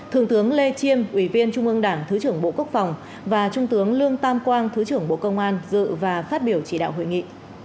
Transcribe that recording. thượng tướng lê chiêm ủy viên trung ương đảng thứ trưởng bộ quốc phòng và trung tướng lương tam quang thứ trưởng bộ công an dự và phát biểu chỉ đạo hội nghị